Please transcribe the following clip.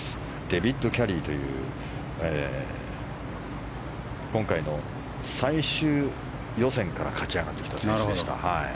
デビッド・キャリーという今回の最終予選から勝ち上がってきた選手でした。